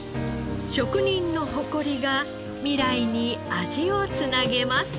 職人の誇りが未来に味を繋げます。